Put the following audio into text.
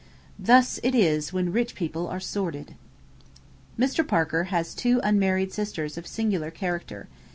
Thus it is when rich people are sordid.' Mr. Parker has two unmarried sisters of singular character.